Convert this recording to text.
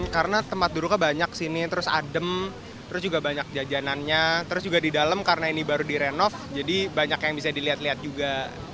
karena tempat dulu banyak sini terus adem terus juga banyak jajanannya terus juga di dalam karena ini baru direnov jadi banyak yang bisa dilihat lihat juga